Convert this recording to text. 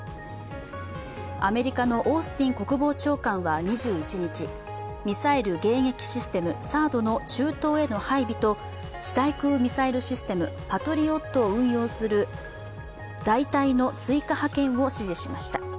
アメリカのオースティン国防長官は２１日、ミサイル迎撃システムＴＨＡＡＤの中東への配備と地対空ミサイルシステム、パトリオットを運用する大隊の追加派遣を指示しました。